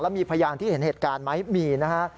มีพยานที่เห็นเหตุการณ์ไหมมีนะฮะ